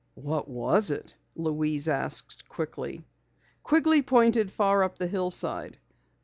"What was it?" Louise asked quickly. Quigley pointed far up the hillside.